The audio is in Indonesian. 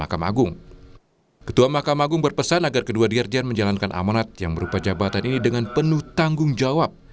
mahkamah agung ketua mahkamah agung berpesan agar kedua dirjen menjalankan amanat yang berupa jabatan ini dengan penuh tanggung jawab